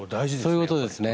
そういうことですね。